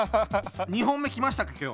２本目きましたか今日。